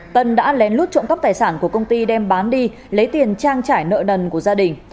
tân đã lén lút trộm cắp tài sản của công ty đem bán đi lấy tiền trang trải nợ nần của gia đình